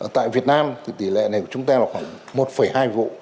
tại việt nam thì tỷ lệ này của chúng ta là khoảng một hai vụ